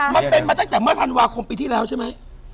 มันเป็นมาตั้งแต่เมื่อธันวาคมปีที่แล้วใช่ไหม